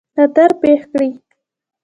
خطر پېښ کړي.